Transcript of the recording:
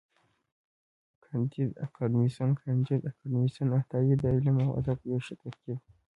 کانديد اکاډميسن کانديد اکاډميسن عطایي د علم او ادب یو ښه ترکیب و.